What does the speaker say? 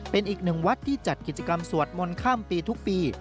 เป็นอีกหนึ่งวัดที่จัดกิจกรรมสวดมนต์ข้ามปีทุกปี